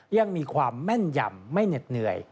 ยังมีความแม่นยำไม่เหน็ดเหนื่อย